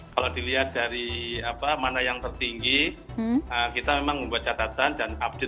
kalau dilihat dari mana yang tertinggi kita memang membuat catatan dan update